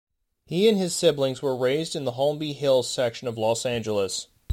He and his siblings were raised in the Holmby Hills section of Los Angeles.